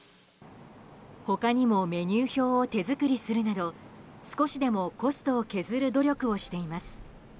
他にもメニュー表を手作りするなど少しでもコストを削る努力をしています。